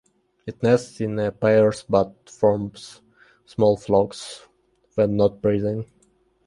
It nests in pairs but forms small flocks when not breeding.